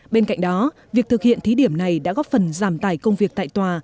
bên cạnh đó việc thực hiện thí điểm này đã góp phần giảm tài công việc tại tòa